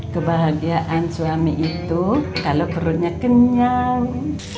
kebahagiaan suami itu kalau perutnya kenyang